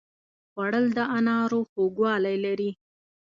خوړل د انارو خوږوالی لري